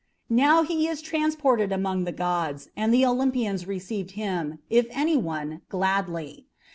Now he is transported among the gods, and the Olympians received him, if any one, gladly.